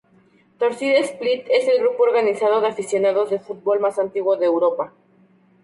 Torcida Split es el grupo organizado de aficionados de fútbol más antiguo de Europa.